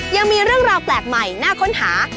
ยังมีเรื่องราวแปลกใหม่น่าค้นหา